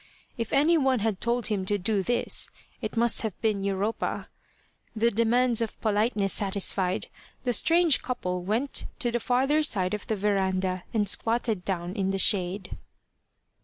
If any one had told him to do this it must have been Europa. The demands of politeness satisfied, the strange couple went to the farther side of the verandah and squatted down in the shade.